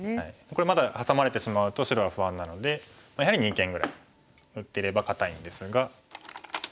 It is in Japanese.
これまだハサまれてしまうと白は不安なのでやはり二間ぐらいに打ってれば堅いんですが。